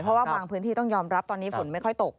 เพราะว่าบางพื้นที่ต้องยอมรับตอนนี้ฝนไม่ค่อยตก